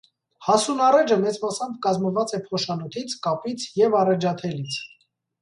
Հասուն առէջը մեծ մասամբ կազմված է փոշանոթից, կապից և առէջաթելից։